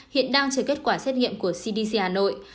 hiện đang chờ kết quả xét nghiệm của cdc hà nội